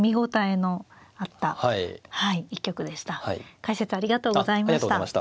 解説ありがとうございました。